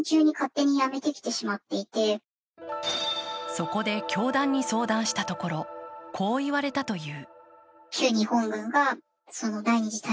そこで教団に相談したところこう言われたという。